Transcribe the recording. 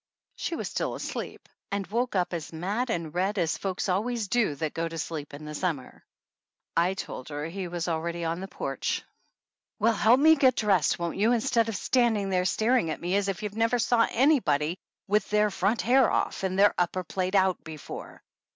She was still asleep and woke up as mad and red as folks always do that go to sleep in the summer. I told her he was already on the porch. "Well, help me get dressed, won't you, instead of standing there staring at me as if you never saw anybody with their front hair off and their upper plate out before?